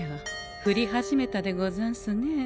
降り始めたでござんすねえ。